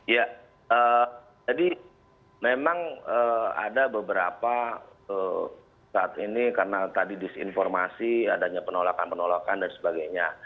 ya jadi memang ada beberapa saat ini karena tadi disinformasi adanya penolakan penolakan dan sebagainya